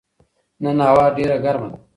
نن هوا ډېره ګرمه ده